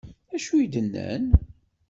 D acu d-nnan?